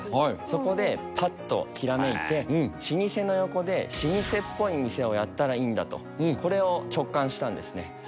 そこでパッとひらめいて老舗の横で老舗っぽい店をやったらいいんだとこれを直感したんですね